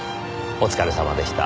お疲れさまでした。